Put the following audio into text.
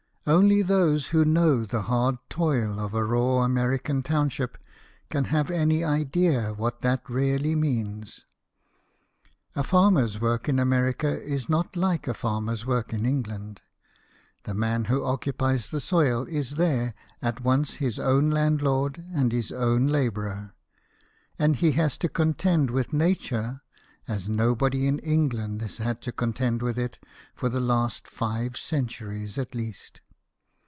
Only those who know the hard toil of a raw American township can have any idea what that really means. A farmer's work in America is not like a farmer's work in England. The man who occupies the soil is there at once his own landlord and his own labourer ; and he has to contend with JAMES GARFIELD, CANAL BOY. 137 nature as nobody in England has had to con tend with it for the last five centuries at least.